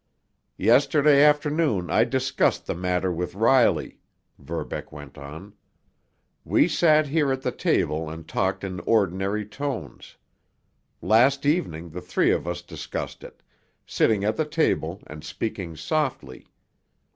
"Yesterday afternoon I discussed the matter with Riley," Verbeck went on. "We sat here at the table and talked in ordinary tones. Last evening the three of us discussed it, sitting at the table and speaking softly.